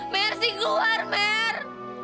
mer sih keluar mer